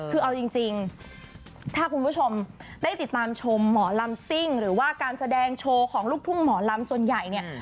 คือเอาจริงถ้าคุณผู้ชมได้ติดตามชมหมอลำซิ่งหรือว่าการแสดงโชว์ของลูกทุ่งหมอลำส่วนใหญ่เนี่ย